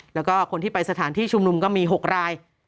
แล้วก็คนที่ไปสถานที่ชุมนุมก็มี๖ราย